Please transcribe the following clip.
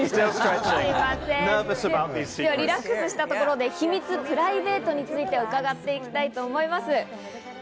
リラックスしたところで秘密、プライベートについて伺っていきたいと思います。